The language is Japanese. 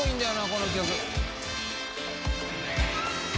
この曲。